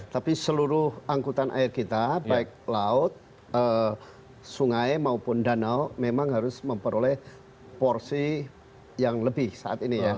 tapi seluruh angkutan air kita baik laut sungai maupun danau memang harus memperoleh porsi yang lebih saat ini ya